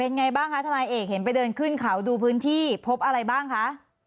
ยังไงบ้างคะทนายเอกเห็นไปเดินขึ้นเขาดูพื้นที่พบอะไรบ้างคะ